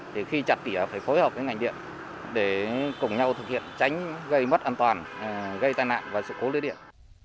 thì khi chặt tỉa phải phối hợp với ngành điện để cùng nhau thực hiện tránh gây mất an toàn gây tai nạn và sự cố lưới điện